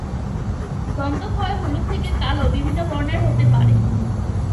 দন্তক্ষয় হলুদ থেকে কালো বিভিন্ন বর্ণের হতে পারে।